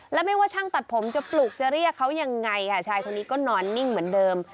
และไม่ว่าช่างตัดผมจะปลุกจะเรียกเขายังไงค่ะชายคนนี้ก็นอนนิ่งเหมือนเดิม